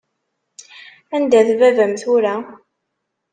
Anda-t baba-m tura?